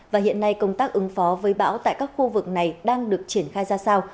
và hiện nay công tác ứng phó với bão tại các khu vực này đang được triển khai ra sao